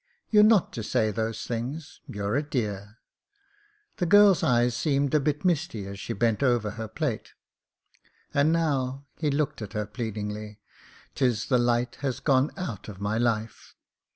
You're not to say those things — ^you're a dear/' The girl's eyes seemed a bit misty as she bent over her plate. "And now !" He looked at her pleadingly. " 'Tis the light has gone out of my life.